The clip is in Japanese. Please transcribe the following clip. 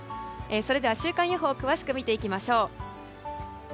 それでは週間予報を詳しく見ていきましょう。